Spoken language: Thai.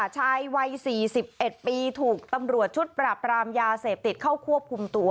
ชายวัย๔๑ปีถูกตำรวจชุดปราบรามยาเสพติดเข้าควบคุมตัว